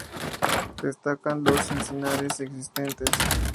Destacan los encinares existentes.